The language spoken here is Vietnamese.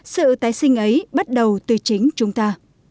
sự tái sinh ấy bắt đầu từ chính chúng ta